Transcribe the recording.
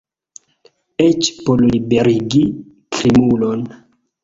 Eĉ por liberigi krimulon!